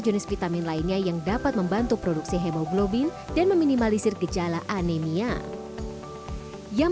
jenis vitamin lainnya yang dapat membantu produksi hemoglobin dan meminimalisir gejala anemia yang